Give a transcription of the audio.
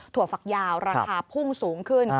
ฝักยาวราคาพุ่งสูงขึ้น